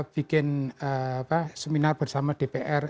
bikin seminar bersama dpr